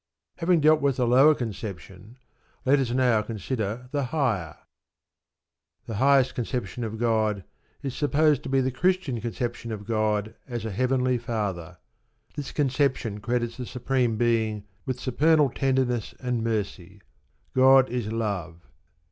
Having dealt with the lower conception, let us now consider the higher. The highest conception of God is supposed to be the Christian conception of God as a Heavenly Father. This conception credits the Supreme Being with supernal tenderness and mercy "God is Love."